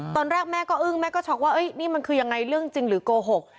ตอนแรกแม่ก็อึ้งแม่ก็ช็อกว่านี่มันคือยังไงเรื่องจริงหรือโกหก